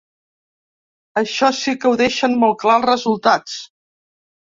Això sí que ho deixen molt clar els resultats.